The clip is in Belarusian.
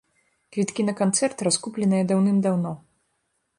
Квіткі на канцэрт раскупленыя даўным даўно.